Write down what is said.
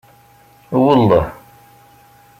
Welleh.